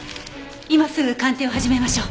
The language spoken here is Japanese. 今すぐ鑑定を始めましょう。